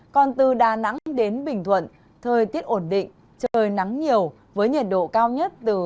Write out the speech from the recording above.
còn từ đà nẵng đến bình thuận thời tiết ổn định trời nắng nhiều với nhiệt độ cao nhất từ hai mươi chín ba mươi hai độ